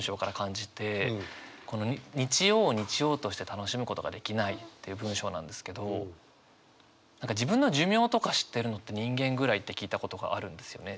この「日曜を日曜として楽しむ事が出来ない」っていう文章なんですけど何か自分の寿命とか知ってるのって人間ぐらいって聞いたことがあるんですよね。